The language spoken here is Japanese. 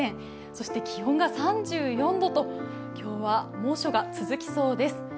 そして気温が３４度と今日は猛暑が続きそうです。